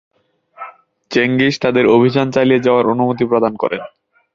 Genghis তাঁদের অভিযান চালিয়ে যাওয়ার অনুমতি প্রদান করেন।